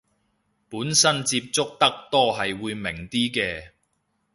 本身接觸得多係會明啲嘅